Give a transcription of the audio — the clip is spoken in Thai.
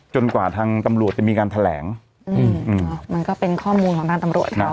กว่าทางตำรวจจะมีการแถลงอืมมันก็เป็นข้อมูลของทางตำรวจเขา